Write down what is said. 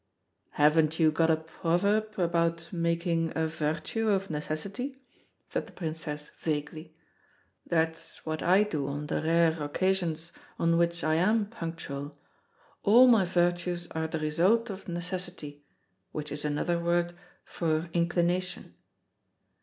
"Haven't you got a proverb about making a virtue of necessity?" said the Princess vaguely. "That's what I do on the rare occasions on which I am punctual. All my virtues are the result of necessity, which is another word for inclination."